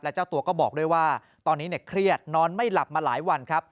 เจ้าตัวก็บอกด้วยว่าตอนนี้เครียดนอนไม่หลับมาหลายวันครับ